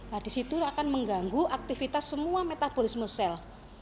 nah disitu akan mengganggu aktivitas semua metabolisme sel